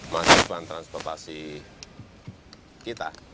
masalah transportasi kita